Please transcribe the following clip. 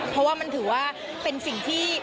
เพราะว่ามันถือว่าเป็นสิ่งที่